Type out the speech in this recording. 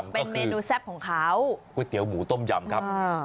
เป็นเมนูแซ่บของเขาก๋วยเตี๋ยวหมูต้มยำครับ